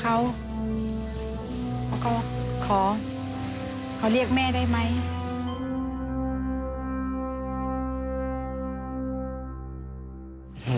เขาก็ขอขอเรียกแม่ได้ไหม